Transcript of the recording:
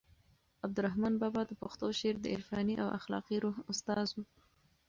عبدالرحمان بابا د پښتو شعر د عرفاني او اخلاقي روح استازی دی.